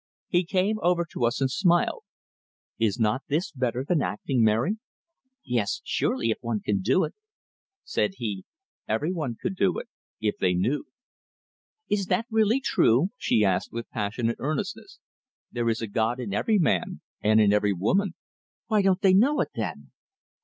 He came over to us, and smiled. "Is not this better than acting, Mary? "Yes, surely if one can do it." Said he: "Everyone could do it, if they knew." "Is that really true?" she asked, with passionate earnestness. "There is a god in every man, and in every woman." "Why don't they know it, then?"